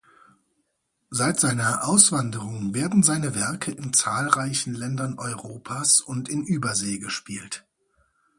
Seit seiner Auswanderung werden seine Werke in zahlreichen Ländern Europas und in Übersee gespielt.